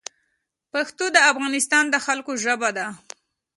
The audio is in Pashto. پښتو د افغانستان د خلګو ژبه ده